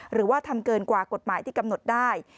หรือว่าทำเกินกว่ากฎหมายที่กำหนดได้